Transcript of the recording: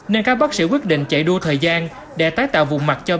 nên các bác sĩ quyết định chạy đua thời gian để tái tạo vùng mặt cho